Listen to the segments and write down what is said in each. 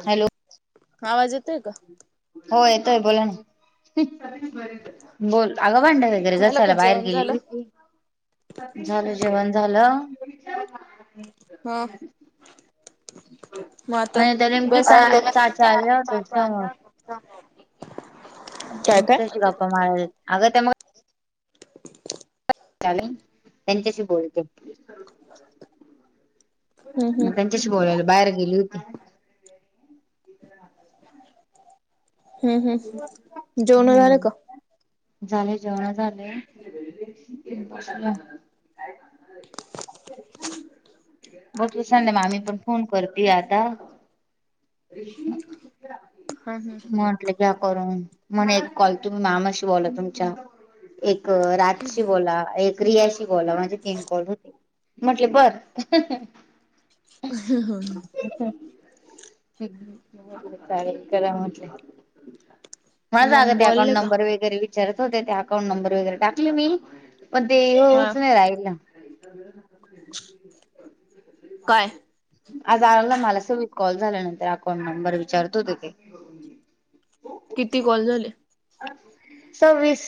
Hello आवाज येतोय का? हो येतोय बोला ना. बोल अगं भांडे वगैरे झालं का घसायला बाहेर जेवण झालं? गेलेली होती. झालं जेवण झालं. हा म आता आणि त्या नेमकी बस. चा चाचा आल्या होत्या समोर मग त्यांच्याशी गप्पा मार अगं त्या मग त्याने त्यांच्याशी बोलते. हम्म हम्म तुझ्याशी बोलायला बाहेर गेली होती. हम् हम् जेवण झाले का. हम्म झाले जेवण झाले. बघ ती संध्या मामी पण फोन करते आता ऋषी ह हम म्हंटलं घ्या करून म्हणल एक कॉल तुम्ही मामाशी बोला तुमच्या एक राज शी बोला एक क्रीयाशी बोला म्हणजे तीन कॉल होतील म्हटले बर. अ ह ह ह ह् सुरुवातीला चालू करा म्हंटले. कोणाला मग सांगत आहे अकॉउंट बोलले का? नंबर वगैरे विचारत होते त्या अकाउंट नंबर वगैरे, टाकले मी पण ते हा येऊनच नाही राहिल. सगळेजण हसलेत. काय? आज आला मला कॉल झाल्यानंतर अकाउंट नंबर विचारत होते ते. किती कॉल झाले. सव्वीस.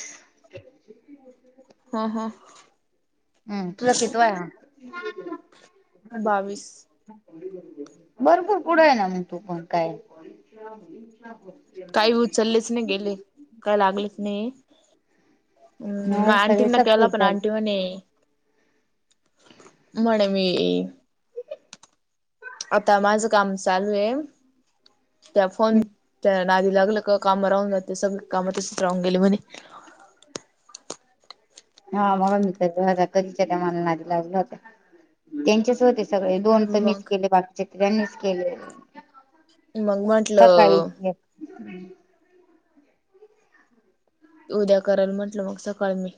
हा हां हम्म तुझा कितवा आहे हा. बावीस भरपूर पुढे आहे ना मग तू पण काय? काही उचललेच नाही गेले, काही लागलेच नाही. हम्म म नाही सगळे आंटीना केला सक्सेस पण झाले. आंटी म्हणे म्हणे मी आता माझं काम चाललय. त्या फोन, त्या नाधी लागल क काम राहून जाते सगळी काम तसच राहून गेली म्हणे. हा म्हणून मी काय घरा कधीच्या टायमाला नाधी लागलो होत, त्यांच्याच होते सगळे दोन तर मीच मग केले बाकीचे त्यांनीच केले. मग सकाळी म्हंटलं घे. उद्या करल म्हटलं मग सकाळ मी.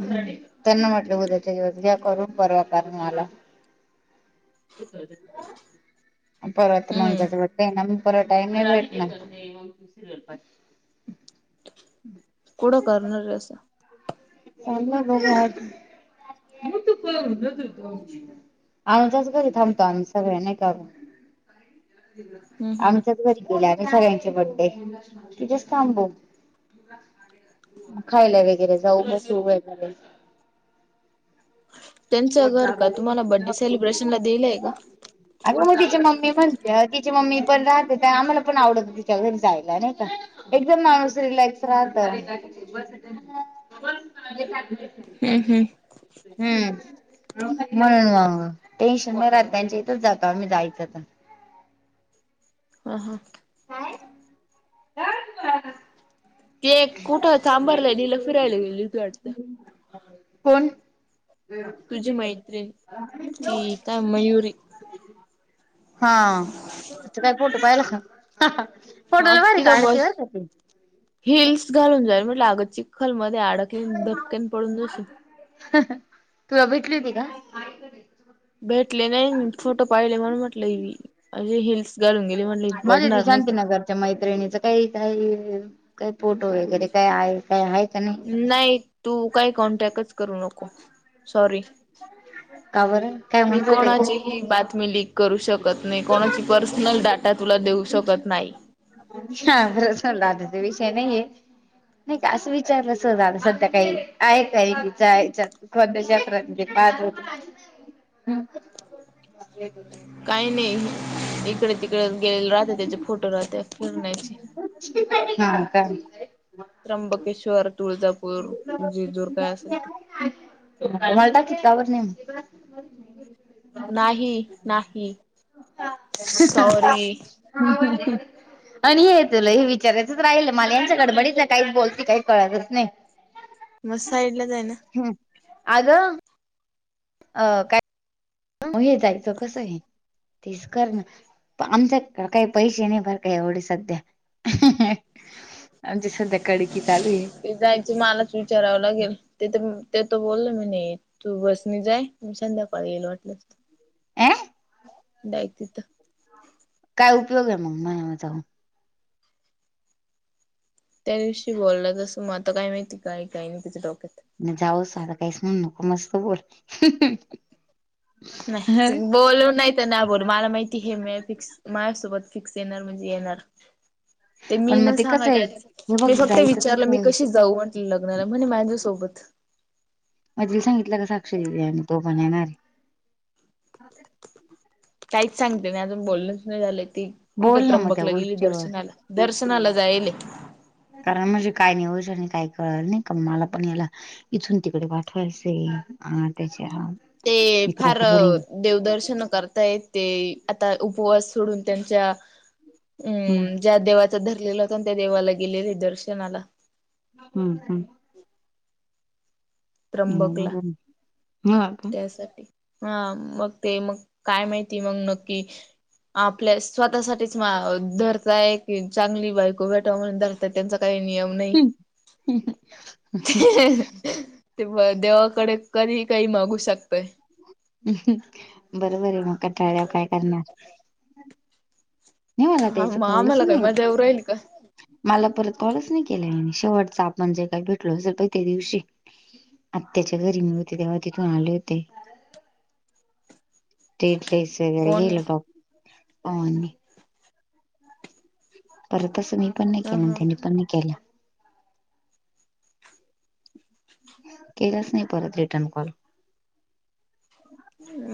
हम्म, त्यांना वाटल उद्याच्या दिवस घ्या करून परवा पाणी आला. [unintelligible] परत म हम्म [unintelligible] ना म परत टाईम नाही भेटणार. कुठं करणार आहे असं. चल ना घरी आज, [unintelligible] आम्हीच्याच घरी थांबतो आम्ही सगळ्यां नाही का ग, हम्म हम्म आमच्याच घरी केल्याने सगळ्यांचे बड्डे, तिथेच थांबू. खायला वगैरे जाऊ [unintelligible] सुरज मधे. त्यांच घर का तुम्हाला बड्डे सेलिब्रेशनला दिलंय का? अरे म तिची मम्मी म्हणत्या तिची मम्मी पण राहते आम्हाला पण आवडत तिच्या घरी जायला नाही का. एकदम माणूस रिलॅक्स राहत. हम् हम्म. हम्म. म्हणून मग, टेन्शन नाही राहत त्यांच्या इथच जातो आम्ही जायचं तर. अ हा. काय, [unintelligible] ते कुठं चांभार नदीला फिरायला गेली होती वाटत. कोण? तुझी मैत्रीन, ती का मयुरी. हा, तीच काय फोटो पायल का? [unintelligible] फोटो हा लय भारी तिथ काढते बर बस का ती. हिल्स घालून जाय म्हटल आग चिखल मध्ये अडकले धबक्यान पडून जाशील. तुला भेटली होती का? भेटले नाही मी फोटो पाहिले म्हणून म्हटले, [unintelligible] अग हिल्स घालून गेली म्हटलं हि पडणार नाही कां? त्या मैत्रिणीच काही काही, काही फोटो वगैरे काय आहे काही आहे का नाही. नाही, तू काय कॉन्टॅक्टचं करु नको, सॉरी, का बरं काय मी म्हणत होते कोणाची का मी बातमी लीक करू शकत नाही कोणाची पर्सनल डाटा तुला देऊ शकत नाही. विषय [unintelligible] झाला आता ते विषय नाहीेये. नाही कां असं विचारलं सहज अग सध्या काही आहे काय विचरायचं. कोणत्या क्षेत्रात [unintelligible] पास [unintelligible] हम्मं. ये गुड नाईट. काही नाही इकड तिकड गेलेले राहते त्याचे फोटो राहते फिरण्याचे. [unintelligible] त्र्यंबकेश्वर, तुळजापूर, जिजूरं काय असेल ते. [unintelligible] किती वर नेम. नाहीं, नाहीं, सॉरी. हम्म हवलने. आणि हे तूलं हे विचारायचंच राहील मालायांच्य गडबडीतला हाय काहीचं बोलते काही कळतचं नाई. - मग साईडला जायनं. - हम्ं आगं. - अं कायं?. - म हे [unintelligible] जायचं कसं आहे, तेच कर नां. - आमच्याकड काही पैसे नाही, बर काय? एवढे सध्या. - [inaudible] [unintelligible] आमचे सध्या कडकीत आले. - तेथजाऊन मलाचं विचारावं लागेल, तेथ ते तो बोलला बी नाही. - तू बसंणी जाय, मी संध्याकाळी येईल महटलं. - अ ते ऐकतात. - कायं? उपयोग आहे मगं मला जाऊन. - त्या दिवशी बोलले तसं मग आता काय? माहिती काही काही ई नाही तिच्या डोक्यात. - मग जाऊन काहीस म्हणू नको मस्त बोलते हहं. - नाहीचायं बोललू नाही. - तर नां बोले मला माहिती हे मा फिक्स माझ्यासोबत फिक्स येणार म्हणजे येणारं. - ते मी पण मग न कसं आहे सांगाचया हे [inaudible] बघ मी फक्त जायचं विचारलं मी कसं कशी. - जाऊ म्हटलं लग्नाला म्हणे माझ्यासोबत. - अधीक सांगितलं का? साक्षी दिदी आणि तो पण येणार. - काहीचं सांगते नाही, अजून बोलणचं नाही झालं ती कुठं बोल ना मग त्या त्र्यंबकला गेली गोष्टीवर दर्शनाला. - दर्शनाला जायले [unintelligible] कारण म्हणजे कायं? नीवज आणि काय? कळं नाही का मला पण याला. - [inaudible] इथून तिकडे पाठवायचे अ त्याच्या हं. - तें फारं. देवदर्शन करतांयेत ते आता उपवास सोडून त्यांच्या. - हम्म ह्म्म् ज्या देवाचा धरलेला होता ना त्या देवाला गेले हे दर्शनाला. - हम्ं हम्ं. त्र्यंबकलां हम्म हा का त्यासाठी. - हं मगं ते मगं काय? माहिती मगं नक्की. - आपल्या स्वतःसाठीचं मागं. - धरतायं की चांगली बायको भेटवा म्हणून धरतायं त्यांचा काही नियम. - नाहीं. [unintelligible] हीईई तेव्हा देवाकडे कधी काही मागू शकतयं. - बरोबर मग कटाळ्यावर काय करणार नाही मला हा त्याचं मग कळलंच आम्हाला काय नही मजा येऊ राहील का मला परत कॉलच नाही केला यानी शेवटचा आपण जे काही भेटलो असेल पहि त्या दिवशी आत्याच्या घरी मि होते तेव्हा तिथून आले होते ते ड्रेस वैगरे कोणी घ्यायला [unintelligible] तू आणि मी परतच अस मी पण नाही ह केलं ह त्यांनी पण नाही केलं केलाच नाही परत रिटर्न कॉल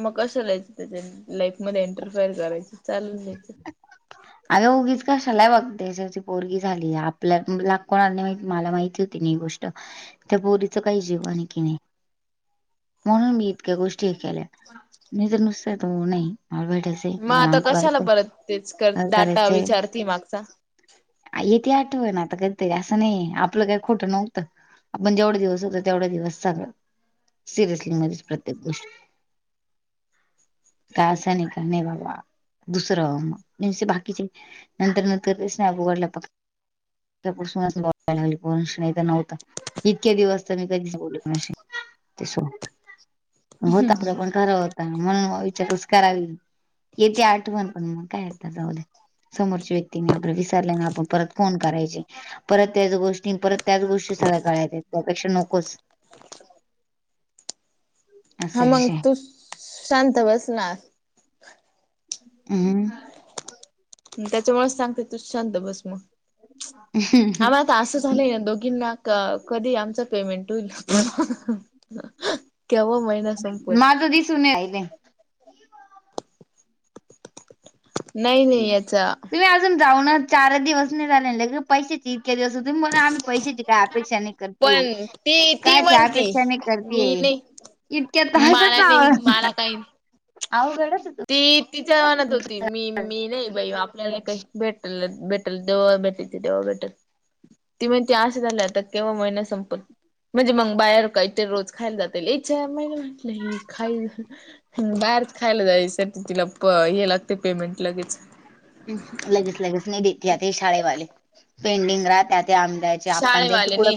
मग कसं जायचं त्याच्या लाईफ मध्ये एंटरफायर करायचं चालून द्यायचं आग उघीच कशालाय हे बघ तेज्याची पोरगी झाली आपल्या लाख कोणाला नाही माहिती मला माहिती तीन ही गोष्ट त्या पोरीचं काही जीवन हे कि नही म्हणून मी इतक्या गोष्टी हे केल्या नहीतर नुसत तो नाही मला भैटायच मग आता कशाला परत तेच कर डाटा विचारते मागचा येती आठवन आता कधीतरी असं नाही आपलं काही खोटं नव्हतं आपण जेवढे दिवस होतो तेवढा दिवस [unintelligible] सिरियसली म्हजेच प्रत्येक गोष्टी का नी धन्य बाबा दुसरं बाकीचे नंतर नंतर [unintelligible] [unintelligible] बोलायला लागली पोरांशी नाही तर नव्हता इतके दिवस तर मी कधीच बोलत नसे ते सो होत आपलं पण खरं होता म्हणून मग विचार [unintelligible] करावी. येते आठवण पण मग काय आता जाऊदे. समोरच्या व्यक्तीनी आपल्या विसरल्या ने आपण परत फोन करायचे. परत त्याच गोष्टी परत त्याच गोष्टी सगळ्या गळ्यात ये त्यापेक्षा नकोच. [inaudible] हा असा मग विषय तू शांत बस ना. अह. त्याच्यामुळेच सांगते तूच शांत बस मग आम्हाला त असं झालंय ना दोघींना कधी आमचा पेमेंट होईल? केव्हा म माझं दिसू नई राहिलय. नाही नाही याचा तुम्ही अजून जाऊ ना चार दिवस नाही झाले ले पैसेचे इतक्या दिवस तुम्ही आम्ही पैसे काही अपेक्षा नाही करतीय, पण ती ती कायच्या म्हणती अपेक्षा नाही मी करतीय. नाही इतक्या त मला हसायचा नाही आवाज मला काही अवघडच ये. ती तिच म्हणत होती मी मी नाही बाई आपल्याला नई काही भेटलच भेटलच जेव्हा भेटायचं तेव्हा भेटल. ती म्हणती आस झालं आता केव्हा महिना संपलं? म्हणजे मग बाहेर काहीतरी रोज खायला जाता येईल इच्यामाई म्हटलं ही खाय बाहेरच खायला जायसाठी तिला प हे लागते पेमेंट लगेच. ह लगेच लगेच नाही देेत आते हे शाळेवाले पेंडिंग राहत्या ते आम शाळेवाले ने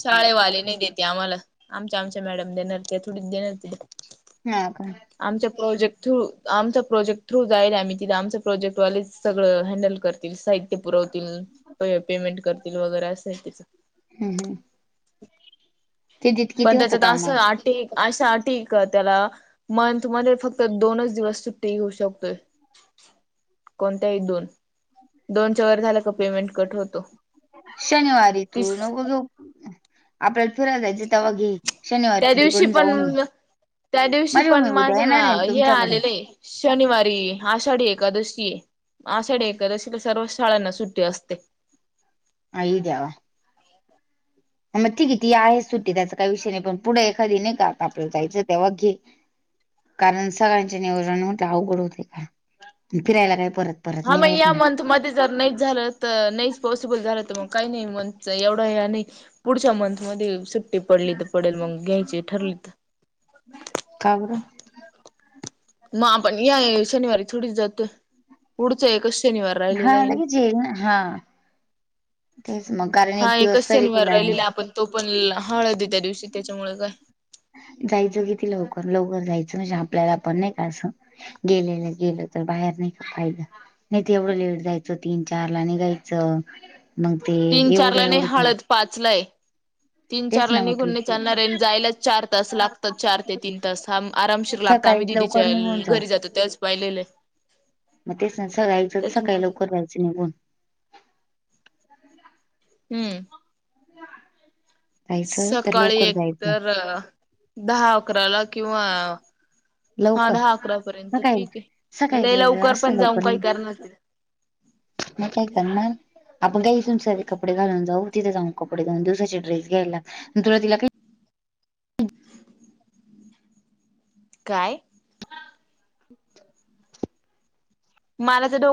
शाळेवाले नाही देती आम्हाला आमच्या आमच्या मॅडम देणार ते थोडीच देणार ते हा का? आमच्या प्रोजेक्ट थ्रू आमचा प्रोजेक्ट थ्रू जायेले आम्ही तिथ आमचे प्रोजेक्ट वालेच सगळं हँडल कर साहित्य पुरवतील प पेमेंट करतील वगैरे अस हाय तिच हं हं. पण होतं त्याच्यात असं कामाच अटी अशा अटी का त्याला मंथ मध्ये फक्त दोनच दिवस सुट्टी घेऊ शकतोय. कोणत्याही दोन दोनच्या वर झालं का, पेमेंट कट होतो. शनिवारी तू तीस नको घेऊ आपल्याला फिरायला जायचं तेव्हा घे. शनिवारी त्या तू दिवशी तिकडून जाऊ न पण त्या दिवशी माझी पण मम्मी उद्या माझं येणार आहे हे तुमच्याकडे आलेलंये. शनिवारी आषाढी एकादशी ये. आषाढी एकादशीला सर्वच शाळांना सुट्टी असते. आई देवा. मग ठीक आहे ती आहे सुट्टी त्याचा काही विषय नाही, पण पुढे एखादी नाही का आता आपल्याला जायचं तेव्हा घे. कारण सगळ्यांचे नियोजन म्हटलं अवघड, होते काय फिरायला, काय परत? परत हा म नाही या भेटणार. मंथ मदीज जर नाहीच झालं तर नाहीच पॉसिबल झालं तर मग काही नाही म्हण एवढं नाही. पुढच्या मंथ मध्ये सुट्टी पडली तर पडेल मग घ्यायची ठरली तर काबर मग आपण या शनिवारी थोडीच जात पुढचं आहे कसं शनिवार हा राहिलेलं आहे ना. लगेच हा तेच मग कारण हा एक दिवस एकच चाले शनिवार तुला राहिलेला आपण तो पण हळदी आहे, त्या दिवशी त्याच्यामुळे काय. जायचं किती लवकर-लवकर जायचं, म्हणजे आपल्याला पण नाही का असं? गेलेलं गेलं, तर बाहेर नाही का फायदा. नाही, ते एवढं लेट जायचं, तीन-चार ला निघायचं, मग ते एवढं-एवढं पाचलाय. तीन, चार ला मग निघून तू नाही चालणार आहे आणि जायलाच चार तास लागतात, चार ते तीन तास हा आरामशीर लागत. सकाळी आम्ही लवकर दिदीच्या निघून जाऊ घरी जातो त्यावेळेस पाहिलेले ये. मग ते [unintelligible] सकाळी लवकर जायचं निघून. हं. [inaudible] तर सकाळी लवकर एक जायचं तर, दहा अकराला किंवा [inaudible] हा लवकर दहा अकरा पर्यंत सकाळी ठीके. लयं सकाळचं लवकर असं पण जाऊन लवकर काय करणारे? मग काय करणार? आपण काय इथून सगळे कपडे घालून जाऊ. तिथं जाऊन कपडे दोन दिवसाचे ड्रेस घ्यायला, मी तुला तिला का काय? [inaudible] मला [unintelligible]